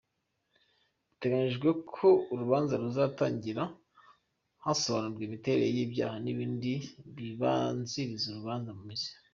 Biteganyijwe ko urubanza ruzatangira hasobanurwa imiterere y’ibyaha n’ibindi bibanziriza urubanza mu mizi.